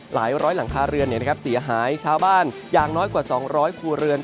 หลายร้อยหลังคาเรือนเนี้ยนะครับเสียหายชาวบ้านอย่างน้อยกว่าสองร้อยครัวเรือน